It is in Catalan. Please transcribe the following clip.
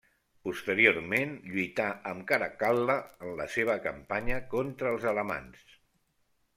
Posteriorment lluità amb Caracal·la en la seva campanya contra els alamans.